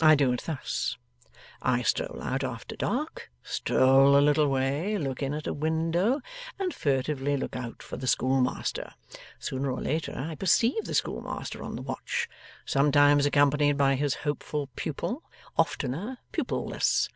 I do it thus: I stroll out after dark, stroll a little way, look in at a window and furtively look out for the schoolmaster. Sooner or later, I perceive the schoolmaster on the watch; sometimes accompanied by his hopeful pupil; oftener, pupil less.